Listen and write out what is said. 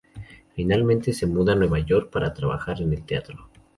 Finalmente, se muda a Nueva York, para trabajar en el teatro.